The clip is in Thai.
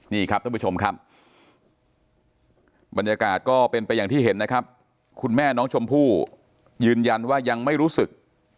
นี่ครับท่านผู้ชมครับบรรยากาศก็เป็นไปอย่างที่เห็นนะครับคุณแม่น้องชมพู่ยืนยันว่ายังไม่รู้สึก